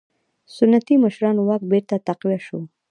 سنتي مشرانو واک بېرته تقویه شو.